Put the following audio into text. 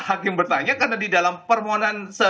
hakim bertanya karena di dalam permohonan